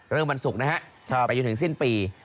เริ่มบรรสุกนะฮะไปอยู่ถึงสิ้นปี